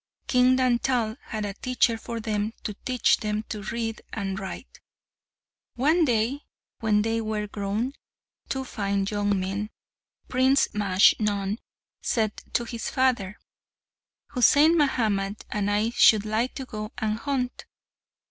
King Dantal had a teacher for them to teach them to read and write. One day, when they were grown two fine young men, Prince Majnun said to his father, "Husain Mahamat and I should like to go and hunt."